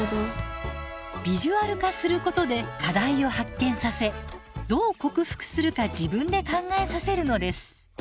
ビジュアル化することで課題を発見させどう克服するか自分で考えさせるのです。